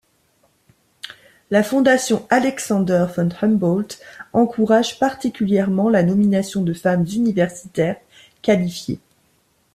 La Fondation Alexander von Humboldt encourage particulièrement la nomination de femmes universitaires qualifiées.